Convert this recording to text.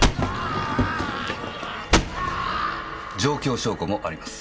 状況証拠もあります。